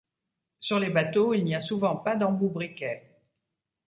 Sur les bateaux, il n'y a souvent pas d'embout briquet.